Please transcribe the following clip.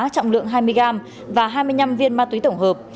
trọng lượng hai mươi gram và hai mươi năm viên ma túy tổng hợp